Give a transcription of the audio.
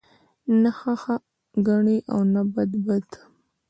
نه ښه ښه گڼي او نه بد بد